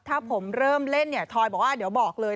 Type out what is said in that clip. ถ้าผมเริ่มเล่นเนี่ยทอยบอกว่าเดี๋ยวบอกเลย